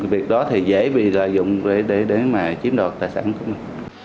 việc đó thì dễ bị lợi dụng để mà chiếm đoạt tài sản của mình